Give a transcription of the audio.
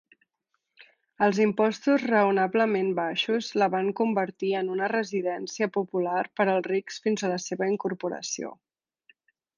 Els impostos raonablement baixos la van convertir en una residència popular per als rics fins a la seva incorporació.